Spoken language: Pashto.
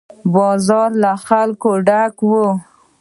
بازارونه له خلکو ډک وي.